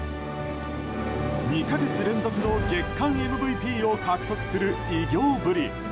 ２か月連続の月間ＭＶＰを獲得する偉業ぶり。